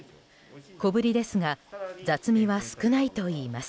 小ぶりですが雑味は少ないといいます。